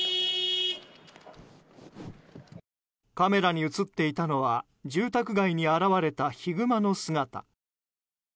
カメラに映っていたのは住宅街に現れたヒグマの姿。